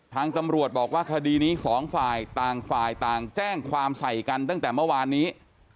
ทางตำรวจบอกว่าคดีนี้สองฝ่ายต่างฝ่ายต่างแจ้งความใส่กันตั้งแต่เมื่อวานนี้